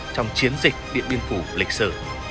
trong chiến dịch điện biên phủ lịch sử